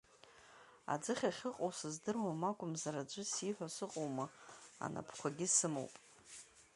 Аӡыхь ахьыҟоу сыздыруам, акәымзар аӡәы сиҳәо сыҟоума, анапқәагьы сымоуп.